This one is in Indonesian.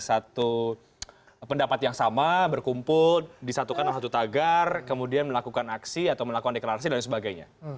satu pendapat yang sama berkumpul disatukan dalam satu tagar kemudian melakukan aksi atau melakukan deklarasi dan sebagainya